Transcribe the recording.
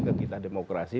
ke kita demokrasi